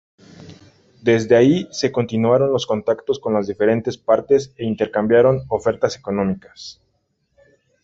Desde ahí se continuaron los contactos con las diferentes partes e intercambiaron ofertas económicas.